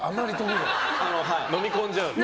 飲み込んじゃうの？